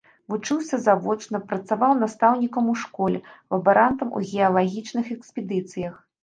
Вучыўся завочна, працаваў настаўнікам у школе, лабарантам у геалагічных экспедыцыях.